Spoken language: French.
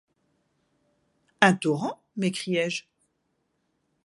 Un torrent ? m’écriai-je.